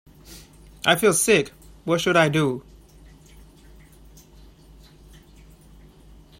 I feel sick, what should I do?